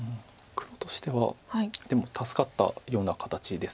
黒としてはでも助かったような形です